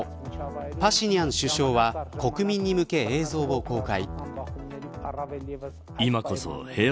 パシニャン首相は国民に向け映像を公開。